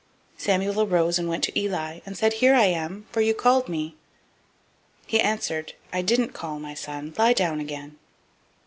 Samuel arose and went to Eli, and said, Here am I; for you called me. He answered, I didn't call, my son; lie down again.